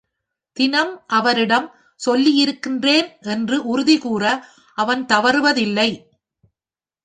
தினம் அவரிடம் சொல்லியிருக்கிறேன் என்று உறுதி கூற அவன் தவறுவதில்லை.